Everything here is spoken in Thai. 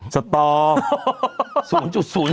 สตอร์